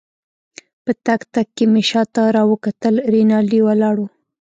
په تګ تګ کې مې شاته راوکتل، رینالډي ولاړ وو.